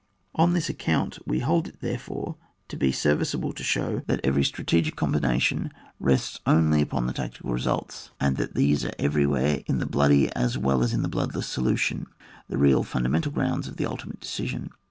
On this aeeount we . hold it therefore to be serviceable to show that every strate gic combination rests only upon the tactical results, and that these are every where, in the bloody as well as in the bloodless solution, the real fundamental grounds of the ultimate decision.